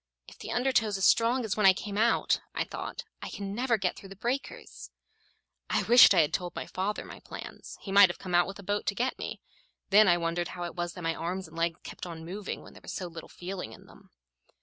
"If the undertow's as strong as when I came out," I thought, "I can never get through the breakers." I wished I had told father my plans. He might have come out with a boat to get me. Then I wondered how it was that my arms and legs kept on moving when there was so little feeling in them.